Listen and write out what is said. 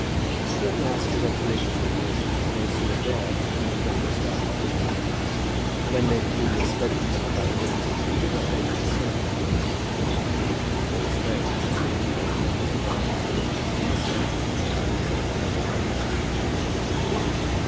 But at last he went to Lady Julia's, and was no sooner there than he was ready to start for Allington. When Lady Julia spoke to him about Lily, he did not venture to snub her. Indeed, of all his friends, Lady Julia was the one with whom on this subject he allowed himself the most unrestricted confidence.